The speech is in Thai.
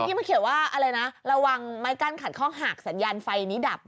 มาเขียนว่าอะไรนะระวังไม้กั้นขัดข้องหากสัญญาณไฟนี้ดับ